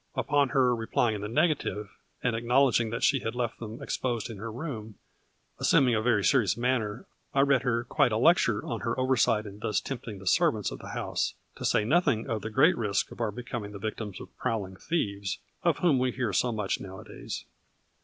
Upon her replying in the negative, and acknowledging that she had left them exposed in her room, assuming a very serious manner, I read her quite a lecture on her oversight in thus tempting the servants of the house, to say nothing of the great risk of our becoming the victims of prowling thieves, of whom we hear so much nowadays.